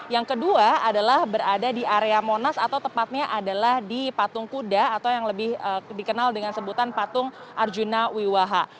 yang kedua adalah berada di area monas atau tepatnya adalah di patung kuda atau yang lebih dikenal dengan sebutan patung arjuna wiwaha